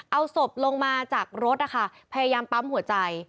เอาศพลงมาจากรถนะคะพยายามปั๊มหัวใจ